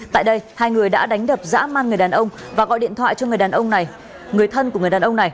tại đây hai người đã đánh đập dã man người đàn ông và gọi điện thoại cho người thân của người đàn ông này